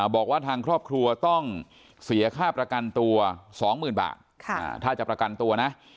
บอกว่าทางครอบครัวต้องเสียค่าประกันตัว๒๐๐๐บาทถ้าจะประกันตัวนะ